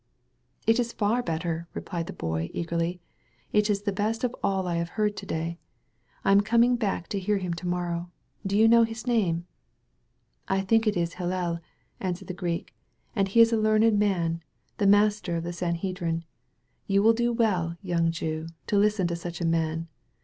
"It is far better," replied the Boy eagerly: "it is the best of all I have heard to day. I am coming back to hear him to morrow. Do you know his name?" "I think it is Hillel," answered the Greek, "and he is a learned man, the master of the Sanhedrim. You will do well, young Jew, to listen to such a man.